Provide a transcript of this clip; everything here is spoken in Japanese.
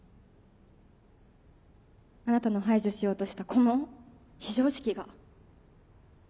あなたが排除しようとしたこの非常識が。